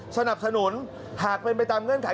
สนับสนุนหากเป็นไปตามเงื่อนไข